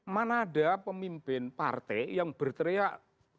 mana ada pemimpin partai yang berteriak